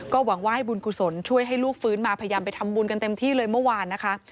หวังว่าให้บุญกุศลช่วยให้ลูกฟื้นมาพยายามไปทำบุญกันเต็มที่เลยเมื่อวานนะคะ